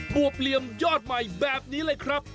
บวบเหลี่ยมยอดใหม่แบบนี้เลยครับ